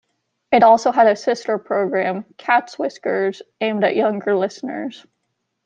It also had a sister programme, "Cat's Whiskers", aimed at younger listeners.